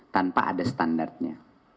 tanpa ada standartnya